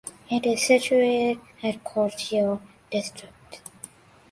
It is situated at Katihar district.